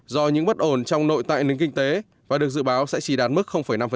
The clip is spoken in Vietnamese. do những bất ổn trong nội tại nền kinh tế và được dự báo sẽ chỉ đạt mức năm